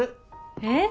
えっ？